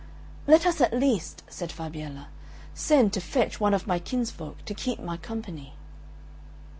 "Let us at least," said Fabiella, "send to fetch one of my kinsfolk to keep my company."